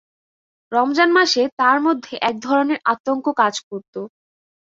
রমজান মাসে তার মধ্যে এক ধরনের আতঙ্ক কাজ করতো।